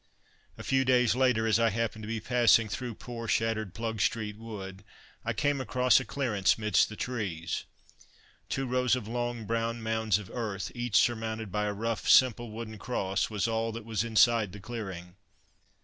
A few days later, as I happened to be passing through poor, shattered Plugstreet Wood, I came across a clearance 'midst the trees. Two rows of long, brown mounds of earth, each surmounted by a rough, simple wooden cross, was all that was inside the clearing.